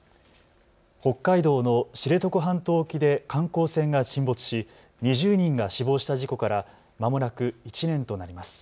北海道の知床半島沖で観光船が沈没し２０人が死亡した事故からまもなく１年となります。